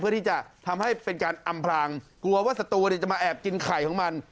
เพื่อที่จะทำให้เป็นการอำพลางกลัวว่าศัตรูจะมาแอบกินไข่ของมัน